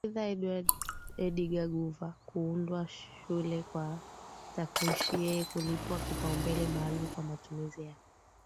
Aidha Edgar Guver kuundwa shule kwa takirishi Yeye kulipwa kipaumbele maalum kwa matumizi ya